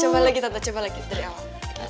coba lagi kita coba lagi dari awal